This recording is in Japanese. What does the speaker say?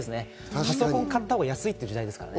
パソコン買ったほうが安い時代ですからね。